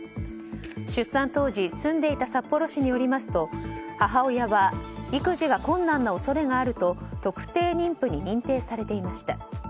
出産当時住んでいた札幌市によりますと母親は育児が困難な恐れがあると特定妊婦に認定されていました。